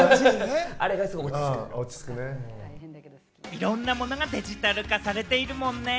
いろんなものがデジタル化されているもんね。